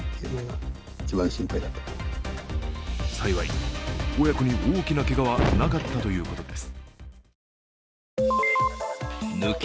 幸い、親子に大きなけがはなかったということです。